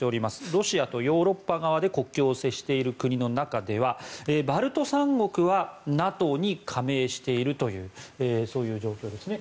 ロシアとヨーロッパ側で国境を接している国の中ではバルト三国はＮＡＴＯに加盟しているというそういう状況ですね。